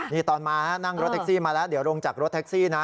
นี่ตอนมานั่งรถแท็กซี่มาแล้วเดี๋ยวลงจากรถแท็กซี่นะ